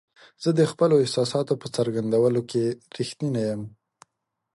زه د خپلو احساساتو په څرګندولو کې رښتینی یم.